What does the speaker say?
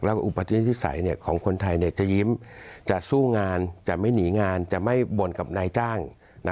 แล้วก็อุปนิสัยของคนไทยจะยิ้มจะสู้งานจะไม่หนีงานจะไม่บ่นกับนายจ้าง